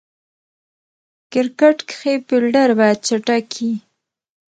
کرکټ کښي فېلډر باید چټک يي.